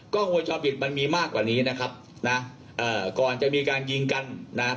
หัวจอบผิดมันมีมากกว่านี้นะครับนะเอ่อก่อนจะมีการยิงกันนะ